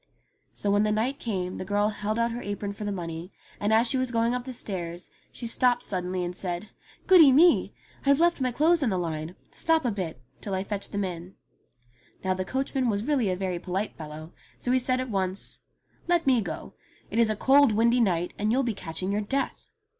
So when the night came the girl held out her apron for the money, and as she was going up the stairs, she stopped suddenly and said, "Goody me! I've left my clothes on the line. Stop a bit till I fetch them in." THE THREE FEATHERS 67 Now the coachman was really a very polite fellow, so he said at once : "Let me go. It is a cold, windy night and you'll be catch ing your death."